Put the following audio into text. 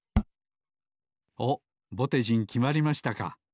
おっぼてじんきまりましたか。